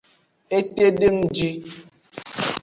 Etedengji.